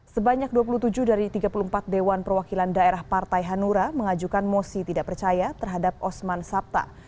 sebanyak dua puluh tujuh dari tiga puluh empat dewan perwakilan daerah partai hanura mengajukan mosi tidak percaya terhadap osman sabta